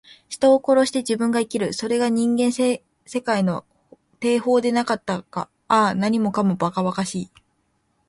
人を殺して自分が生きる。それが人間世界の定法ではなかったか。ああ、何もかも、ばかばかしい。